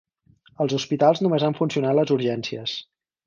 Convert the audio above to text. Als hospitals només han funcionat les urgències.